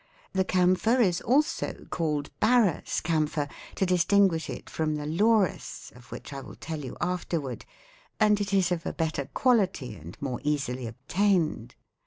The camphor is also called barus camphor, to distinguish it from the laurus, of which I will tell you afterward, and it is of a better quality and more easily obtained.